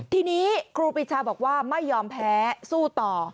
ทีนี้ครูปีชาบอกว่าไม่ยอมแพ้สู้ต่อ